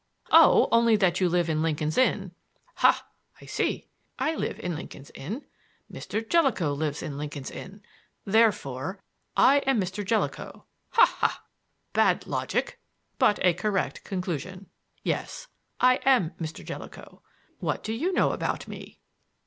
"Oh, only that you live in Lincoln's Inn." "Ha! I see. I live in Lincoln's Inn; Mr. Jellicoe lives in Lincoln's Inn; therefore I am Mr. Jellicoe. Ha! ha! Bad logic, but a correct conclusion. Yes, I am Mr. Jellicoe. What do you know about me?"